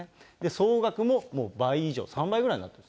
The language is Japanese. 総額ももう倍以上、３倍ぐらいになっている。